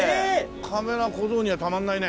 カメラ小僧にはたまんないね。